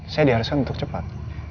saya diharuskan untuk cepat